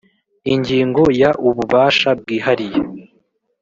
Ingingo ya Ububasha bwihariye